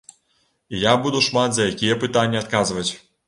І я буду шмат за якія пытанні адказваць.